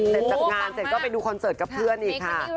เสร็จจากงานเสร็จก็ไปดูคอนเสิร์ตกับเพื่อนอีกค่ะ